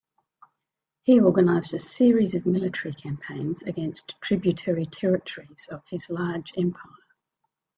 He organised a series of military campaigns against tributary territories of his large empire.